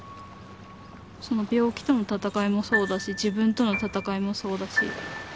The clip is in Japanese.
その病気との闘いもそうだし自分との闘いもそうだし。